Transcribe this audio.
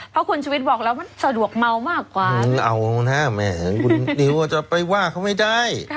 เพราะคุณชุวิตบอกแล้วมันสะดวกเมามากกว่านั้นเอานะคุณนิวจะไปว่าเขาไม่ได้